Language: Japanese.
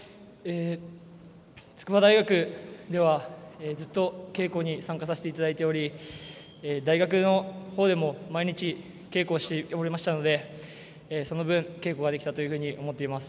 筑波大学ではずっと稽古に参加させていただいており大学のほうでも毎日、稽古しておりましたのでその分、稽古ができたというふうに思っております。